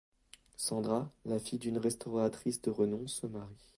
Sandra, la fille d'une restauratrice de renom, se marie.